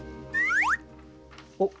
おっ！